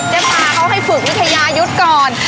พาเขาให้ฝึกวิทยายุทธ์ก่อน